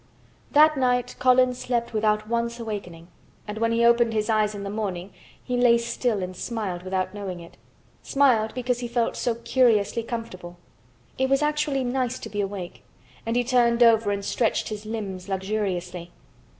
'" That night Colin slept without once awakening and when he opened his eyes in the morning he lay still and smiled without knowing it—smiled because he felt so curiously comfortable. It was actually nice to be awake, and he turned over and stretched his limbs luxuriously.